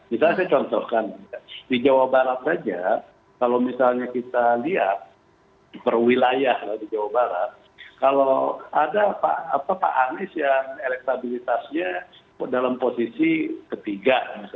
misalnya saya contohkan di jawa barat saja kalau misalnya kita lihat per wilayah di jawa barat kalau ada pak anies yang elektabilitasnya dalam posisi ketiga